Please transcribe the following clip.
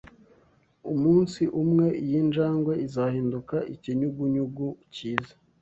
Umunsi umwe, iyi njangwe izahinduka ikinyugunyugu cyiza.